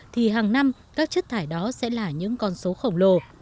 thì hàng năm các chất thải đó sẽ là những con số khổng lồ